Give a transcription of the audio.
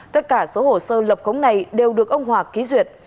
tất cả số hồ sơ lập khống này đều được ông hòa ký duyệt